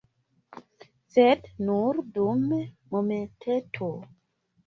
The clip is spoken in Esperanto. Sed nur dum momenteto.